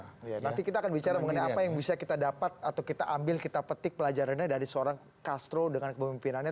nanti kita akan bicara mengenai apa yang bisa kita dapat atau kita ambil kita petik pelajarannya dari seorang castro dengan kepemimpinannya